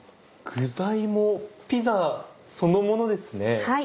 具材もピザそのものですね。